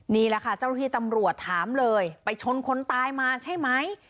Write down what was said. นี่แหละค่ะเจ้าหน้าที่ตำรวจถามเลยไปชนคนตายมาใช่ไหม